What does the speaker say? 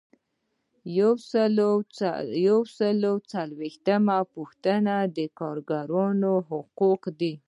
یو سل او څلورمه پوښتنه د کارکوونکي حقوق دي.